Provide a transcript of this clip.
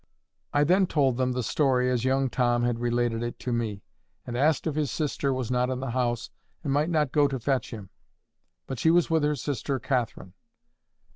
I then told them the story as young Tom had related it to me, and asked if his sister was not in the house and might not go to fetch him. But she was with her sister Catherine.